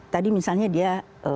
tadi misalnya dia